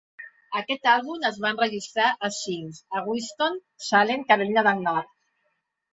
Aquest àlbum es va enregistrar a Ziggy's a Winston-Salem, Carolina del Nord.